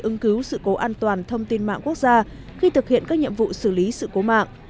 ưng cứu sự cố an toàn thông tin mạng quốc gia khi thực hiện các nhiệm vụ xử lý sự cố mạng